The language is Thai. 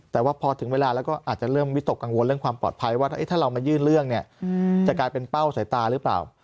แต่ว่าพอถึงเวลาแล้วก็อาจจะเริ่มวิตกกังวลเรื่องความปลอดภัยว่าถ้าเรามายื่นเรื่องเนี่ยจะกลายเป็นเป้าสายตาหรือเปล่า